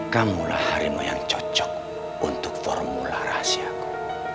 kamulah harimau yang cocok untuk formula rahasiaku